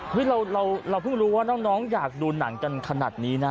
เราเพิ่งรู้ว่าน้องอยากดูหนังกันขนาดนี้นะ